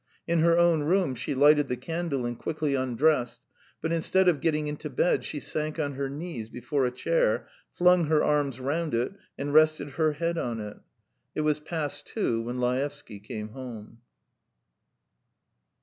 In her own room she lighted the candle and quickly undressed, but instead of getting into bed, she sank on her knees before a chair, flung her arms round it, and rested her head on it. It was past two when Laevsky came home.